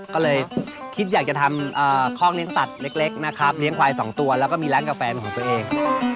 ก็เลยคิดอยากจะทำคอกเลี้ยงสัตว์เล็กนะครับเลี้ยงควาย๒ตัวแล้วก็มีร้านกาแฟของตัวเอง